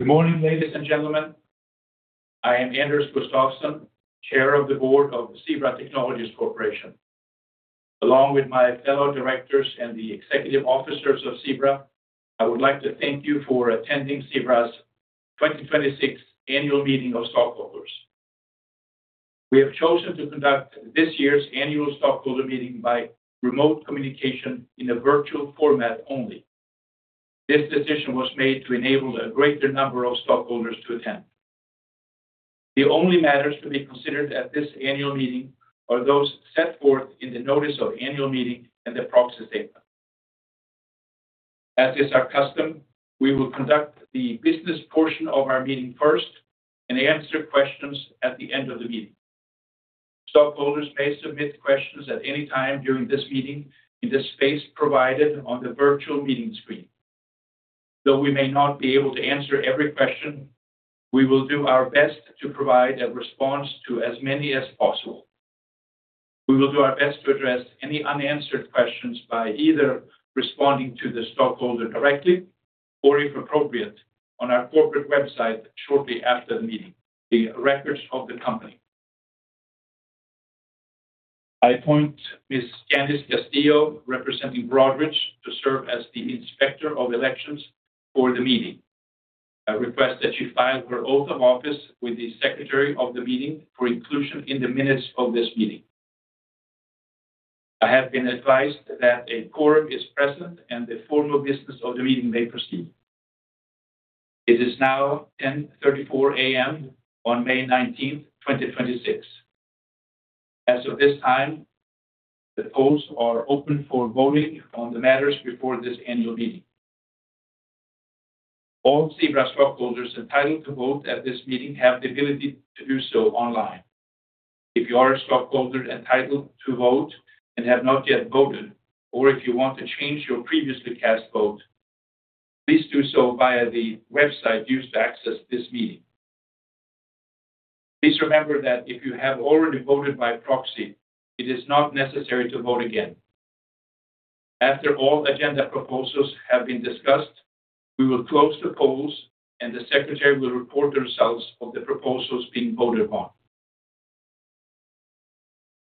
Good morning, ladies and gentlemen. I am Anders Gustafsson, Chair of the Board of Zebra Technologies Corporation. Along with my fellow directors and the executive officers of Zebra, I would like to thank you for attending Zebra's 2026 Annual Meeting of Stockholders. We have chosen to conduct this year's annual stockholder meeting by remote communication in a virtual format only. This decision was made to enable a greater number of stockholders to attend. The only matters to be considered at this annual meeting are those set forth in the notice of annual meeting and the proxy statement. As is our custom, we will conduct the business portion of our meeting first and answer questions at the end of the meeting. Stockholders may submit questions at any time during this meeting in the space provided on the virtual meeting screen. Though we may not be able to answer every question, we will do our best to provide a response to as many as possible. We will do our best to address any unanswered questions by either responding to the stockholder directly or, if appropriate, on our corporate website shortly after the meeting, the records of the company. I appoint Ms. [Janice Castillo], representing Broadridge, to serve as the Inspector of Elections for the meeting. I request that she file her oath of office with the secretary of the meeting for inclusion in the minutes of this meeting. I have been advised that a quorum is present and the formal business of the meeting may proceed. It is now 10:34 A.M. on May 19th, 2026. As of this time, the polls are open for voting on the matters before this annual meeting. All Zebra stockholders entitled to vote at this meeting have the ability to do so online. If you are a stockholder entitled to vote and have not yet voted, or if you want to change your previously cast vote, please do so via the website used to access this meeting. Please remember that if you have already voted by proxy, it is not necessary to vote again. After all agenda proposals have been discussed, we will close the polls and the secretary will report the results of the proposals being voted on.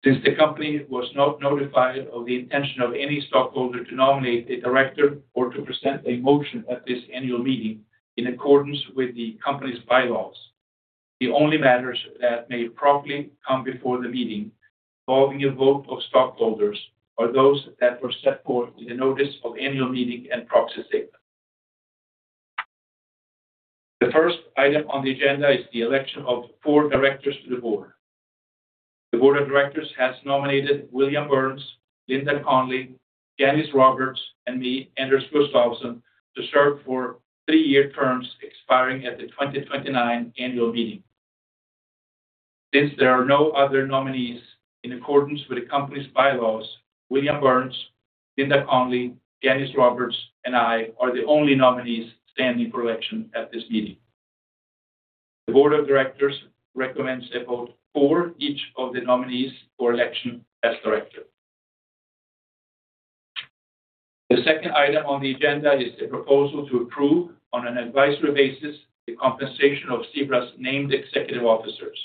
Since the company was not notified of the intention of any stockholder to nominate a director or to present a motion at this annual meeting in accordance with the company's bylaws, the only matters that may properly come before the meeting involving a vote of stockholders are those that were set forth in the notice of annual meeting and proxy statement. The first item on the agenda is the election of four directors to the board. The board of directors has nominated William Burns, Linda Connly, Janice Roberts, and me, Anders Gustafsson, to serve for three-year terms expiring at the 2029 Annual Meeting. Since there are no other nominees in accordance with the company's bylaws, William Burns, Linda Connly, Janice Roberts, and I are the only nominees standing for election at this meeting. The board of directors recommends a vote for each of the nominees for election as director. The second item on the agenda is the proposal to approve, on an advisory basis, the compensation of Zebra's named executive officers.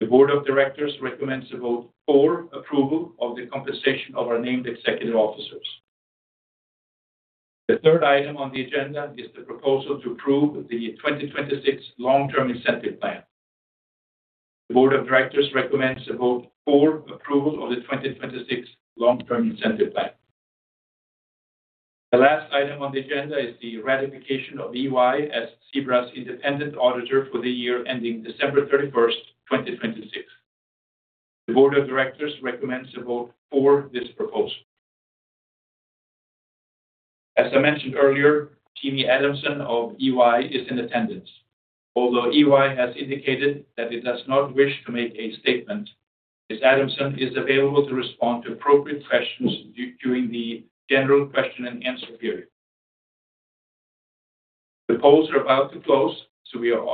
The board of directors recommends a vote for approval of the compensation of our named executive officers. The third item on the agenda is the proposal to approve the 2026 Long-Term Incentive Plan. The board of directors recommends a vote for approval of the 2026 Long-Term Incentive Plan. The last item on the agenda is the ratification of EY as Zebra's independent auditor for the year ending December 31st, 2026. The board of directors recommends a vote for this proposal. As I mentioned earlier, Jeannie Adamson of EY is in attendance. Although EY has indicated that it does not wish to make a statement, Ms. Adamson is available to respond to appropriate questions during the general question-and-answer period. The polls are about to close, so we are all